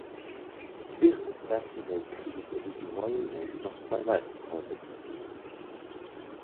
Während des Ersten Weltkrieges erhielt die Royal Navy noch zwei weitere Kreuzer dieses Typs.